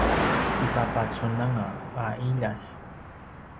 kipapacunanga a ’iljas